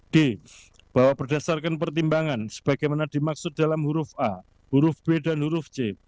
d bahwa berdasarkan pertimbangan sebagaimana dimaksud dalam huruf a huruf b dan huruf c